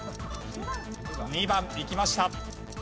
２番いきました。